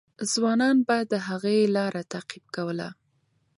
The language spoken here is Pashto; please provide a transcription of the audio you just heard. ځوانان به د هغې لار تعقیب کوله.